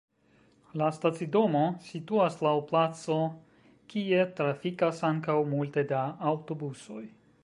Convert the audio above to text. La stacidomo situas laŭ placo, kie trafikas ankaŭ multe da aŭtobusoj.